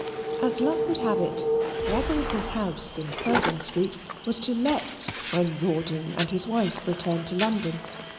As luck would have it, Raggles' house in Curzon Street was to let when Rawdon and his wife returned to London.